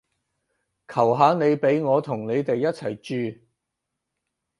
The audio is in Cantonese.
求下你畀我同你哋一齊住